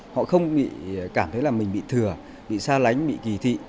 họ không cảm thấy là mình bị thừa bị xa lánh bị kỳ thị